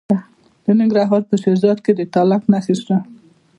د ننګرهار په شیرزاد کې د تالک نښې شته.